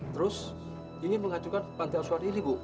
terus ingin mengajukan pantai asuhan ini bu